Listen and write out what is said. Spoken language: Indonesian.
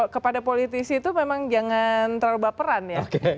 kepada politisi itu memang jangan terlalu baperan ya